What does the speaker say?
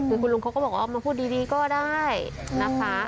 คือคุณลุงเขาก็บอกว่ามาพูดดีก็ได้นะคะ